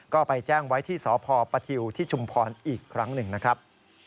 ก็ไปแจ้งไว้ที่สพปทิวที่ชุมพรอีกครั้งหนึ่งนะครับ